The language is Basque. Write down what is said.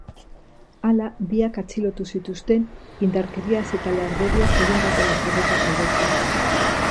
Hala, biak atxilotu zituzten, indarkeriaz eta larderiaz egindako lapurreta egotzita.